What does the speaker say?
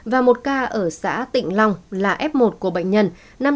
và một ca ở xã tịnh long là f một của bệnh nhân năm trăm hai mươi tám bảy trăm linh hai